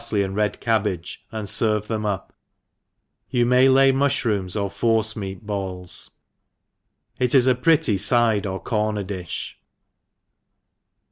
133 parfley and red cabbage, and ferve them up, you may lay muHirooms or forcemeat balls. — It is a pretty fide or corner di(h.